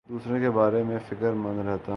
دوسروں کے بارے میں فکر مند رہتا ہوں